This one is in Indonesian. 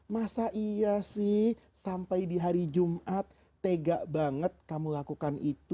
masa iya sih sampai di hari jumat tega banget kamu lakukan itu